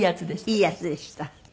いいヤツでした？